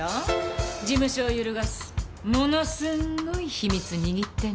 事務所を揺るがすものすごい秘密握ってんですけどわたし。